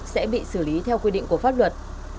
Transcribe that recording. sẽ bị xử lý theo quy định của pháp luật